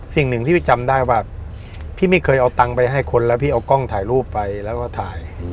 สิ่งหนึ่งที่พี่จำได้ว่าพี่ไม่เคยเอาตังค์ไปให้คนแล้วพี่เอากล้องถ่ายรูปไปแล้วก็ถ่าย